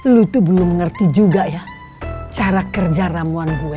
lu tuh belum ngerti juga ya cara kerja ramuan gue